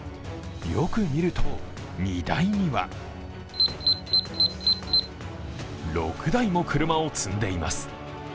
よく見ると、荷台には６台も車を積んでいます。